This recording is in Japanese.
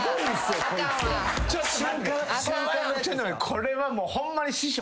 これはもうホンマに師匠。